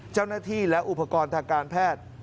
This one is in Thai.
เจ้าหน้าที่และอุปกรณ์ทางการแพทย์